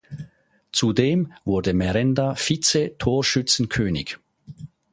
Zudem wurde Merenda Vize-Torschützenkönig.